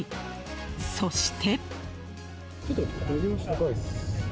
そして。